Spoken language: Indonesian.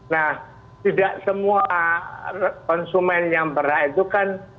nah tidak semua konsumen yang berat itu kan